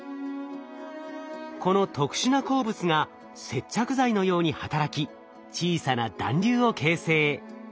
この特殊な鉱物が接着剤のように働き小さな団粒を形成。